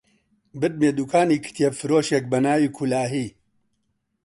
بردمیە دووکانی کتێبفرۆشێک بە ناوی کولاهی